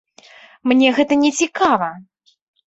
Мне гэта не цікава!